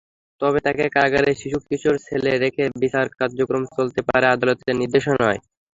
তবে তাঁকে কারাগারে শিশু-কিশোর সেলে রেখে বিচার কার্যক্রম চলতে পারে আদালতের নির্দেশনায়।